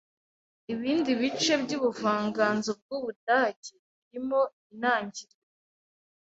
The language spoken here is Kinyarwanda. ibindi bice byubuvanganzo bwUbudage birimo intangiriro